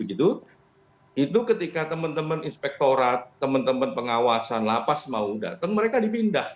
itu ketika teman teman inspektorat teman teman pengawasan lapas mau datang mereka dipindah